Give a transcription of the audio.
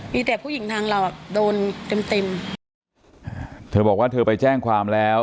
มีแต่ผู้หญิงทางเราอ่ะโดนเต็มเต็มอ่าเธอบอกว่าเธอไปแจ้งความแล้ว